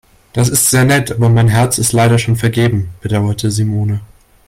Das ist sehr nett, aber mein Herz ist leider schon vergeben, bedauerte Simone.